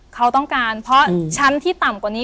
เขาต้องการเพราะชั้นที่ต่ำกว่านี้